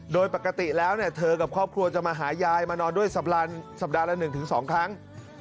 โดยปกติแล้วเธอกับครอบครัวจะมาหายายมานอนด้วยสัปดาห์ละ๑๒ครั้ง